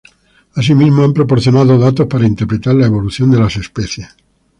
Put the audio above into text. Asimismo han proporcionado datos para interpretar la evolución de las especies.